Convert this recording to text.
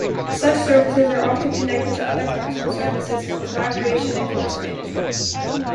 Such services are often connected to other classroom services for collaboration and course management.